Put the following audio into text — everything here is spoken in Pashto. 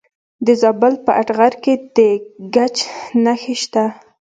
د زابل په اتغر کې د ګچ نښې شته.